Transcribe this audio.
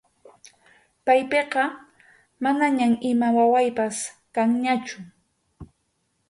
Paypiqa manañam ima wawaypas kanñachu.